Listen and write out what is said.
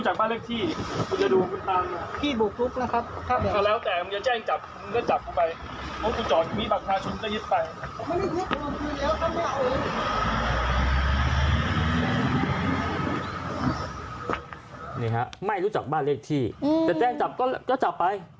เขาไม่รู้จักบ้านเลขที่แต่แจ้งจับก็จับไป